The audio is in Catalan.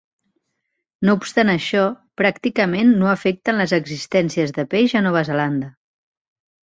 No obstant això, pràcticament no afecten les existències de peix a Nova Zelanda.